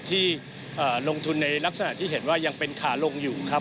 ที่ลงทุนในลักษณะที่เห็นว่ายังเป็นขาลงอยู่ครับ